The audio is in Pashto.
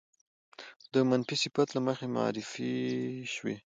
د منفي صفت له مخې معرفې شوې